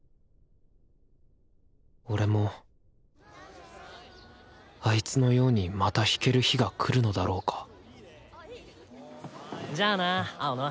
俺もあいつのようにまた弾ける日が来るのだろうかじゃあな青野。